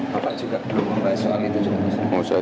bapak juga belum membahas soal itu sebenarnya